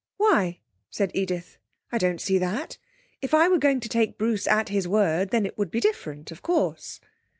'Why?' said Edith. 'I don't see that; if I were going to take Bruce at his word, then it would be different, of course.'